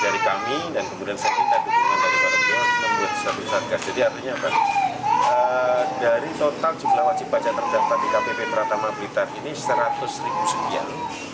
dari total jumlah wajib pajak terdapat di kpp teratam blitar ini seratus ribu rupiah